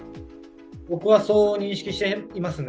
僕はそう認識していますね。